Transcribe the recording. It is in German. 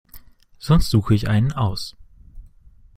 Sonst suche ich einen aus.